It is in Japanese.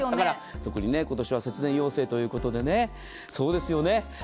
特に今年は節電要請ということでそうですよね。